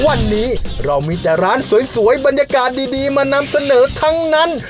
วันนี้เรามีแต่ร้านสวยบรรยากาศดีมานำเสนอทั้งนั้น